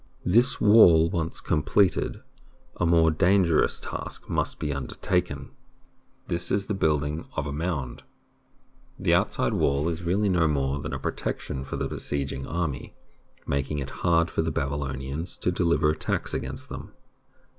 This wall once completed, a more dangerous task must be undertaken. This is the building of a mound. The outside wall is really no more than a ['19] THE BOOK OF FAMOUS SIEGES protection for the besieging army, making it hard for the Babylonians to deliver attacks against them.